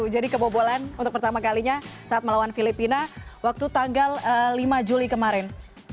jadi kebobosan untuk pertama kalinya saat melawan filipina waktu tanggal lima juli kemarin